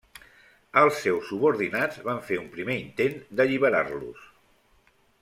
Els seus subordinats van fer un primer intent d'alliberar-los.